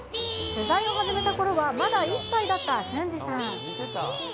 取材を始めたころはまだ１歳だったしゅんじさん。